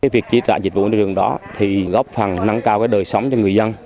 việc chi trả dịch vụ môi trường đó thì góp phần năng cao đời sống cho người dân